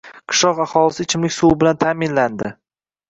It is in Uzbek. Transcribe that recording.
Qishloq aholisi ichimlik suvi bilan ta’minlandi